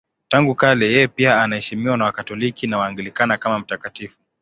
Tangu kale yeye pia anaheshimiwa na Wakatoliki na Waanglikana kama mtakatifu.